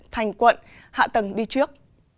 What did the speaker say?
thành quận hạ tầng đi trước